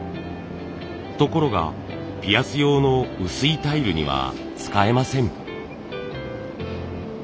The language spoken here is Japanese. ところがピアス用の薄いタイルには使えません。